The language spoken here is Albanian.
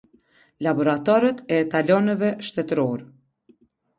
Laboratorët e etalonëve shtetëror.